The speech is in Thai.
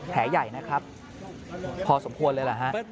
แผลใหญ่นะครับพอสมควรเลยล่ะฮะ